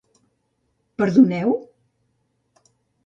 Perdoneu?